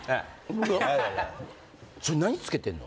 それ何つけてんの？